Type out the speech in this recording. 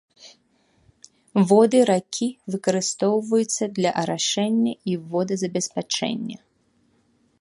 Воды ракі выкарыстоўваюцца для арашэння і водазабеспячэння.